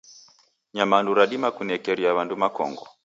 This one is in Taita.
Nyamandu radima kunekeria w'adamu makongo.